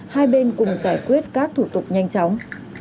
hai bên cùng giải quyết các thủ tục nhanh chóng